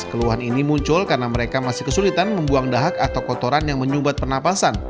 keluhan ini muncul karena mereka masih kesulitan membuang dahak atau kotoran yang menyumbat pernapasan